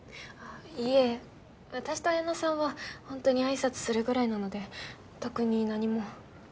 いえ私とあやなさんはほんとに挨拶するぐらいなので特に何も。